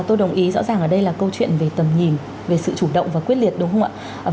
tôi đồng ý rõ ràng ở đây là câu chuyện về tầm nhìn về sự chủ động và quyết liệt đúng không ạ